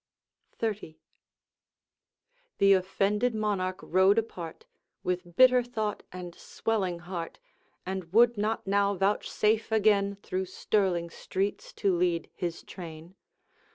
XXX. The offended Monarch rode apart, With bitter thought and swelling heart, And would not now vouchsafe again Through Stirling streets to lead his train.